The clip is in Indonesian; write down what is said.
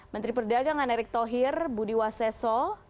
menteri perdagangan erick thohir budi waseso